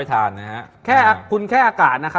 เล็กเล็กเล็กเล็กเล็ก